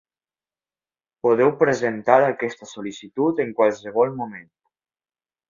Podeu presentar aquesta sol·licitud en qualsevol moment.